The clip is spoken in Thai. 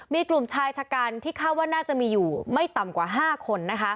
มีกลุ่มชายชะกันที่คาดว่าน่าจะมีอยู่ไม่ต่ำกว่า๕คน